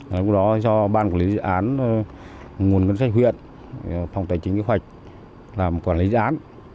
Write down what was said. lúc đó do ban quản lý dự án nguồn ngân sách huyện phòng tài chính kế hoạch làm quản lý dự án